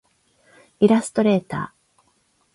イラストレーター